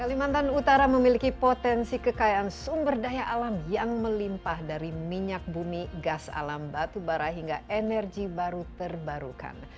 kalimantan utara memiliki potensi kekayaan sumber daya alam yang melimpah dari minyak bumi gas alam batu bara hingga energi baru terbarukan